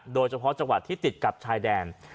โดยเฉพาะจังหวัดที่ติดกับชายแดน